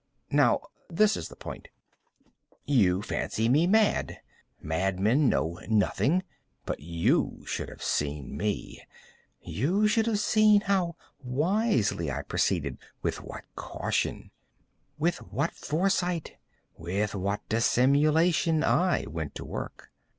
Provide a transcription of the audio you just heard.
Now this is the point. You fancy me mad. Madmen know nothing. But you should have seen me. You should have seen how wisely I proceeded—with what caution—with what foresight—with what dissimulation I went to work!